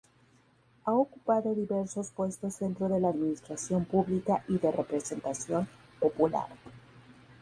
Ha ocupado diversos puestos dentro de la administración pública y de representación popular.